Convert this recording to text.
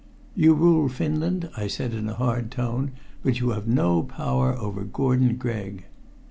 "You rule Finland," I said in a hard tone, "but you have no power over Gordon Gregg."